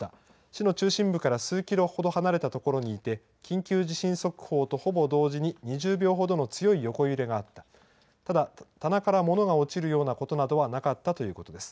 市の中心部から数キロほど離れたところにいて、緊急地震速報とほぼ同時に１０秒ほどの強い横揺れがあった、ただ、棚から物が落ちることなどはなかったということです。